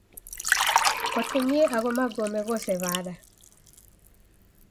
Kwatumie agho magome ghose w'ada?